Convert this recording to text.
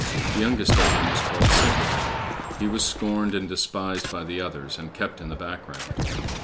The youngest of them was called Simpleton; he was scorned and despised by the others, and kept in the background.